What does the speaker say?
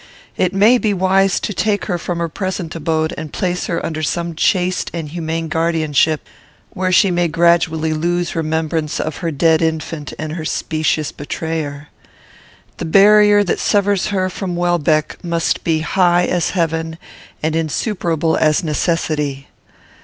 It may be wise to take her from her present abode, and place her under some chaste and humane guardianship, where she may gradually lose remembrance of her dead infant and her specious betrayer. The barrier that severs her from Welbeck must be high as heaven and insuperable as necessity.